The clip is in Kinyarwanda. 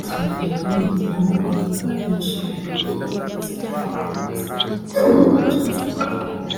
Imirimo yindi yo mu rugo nyikora nyishimiye ariko iyo nibutse ko ngomba kumesa amakariso numva ncitse intege